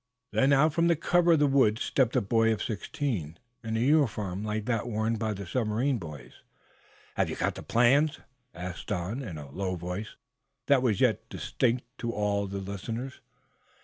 Then out from the cover of the woods stepped a boy of sixteen, in a uniform like that worn by the submarine boys. "Have you got the plans?" asked Don, in a low voice that was yet distinct to all the listeners.